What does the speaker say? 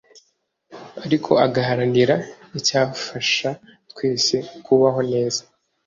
ariko agaharanira icyafasha twese kubaho neza